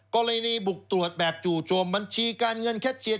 กรณีบุกตรวจแบบจู่โจมบัญชีการเงินแคชเชียร์